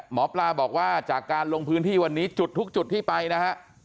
หมอปลาบอกว่าจากการลงพื้นที่วันนี้จุดทุกจุดที่ไปนะฮะ